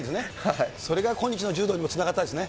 それが今日の柔道にもつながったんですね。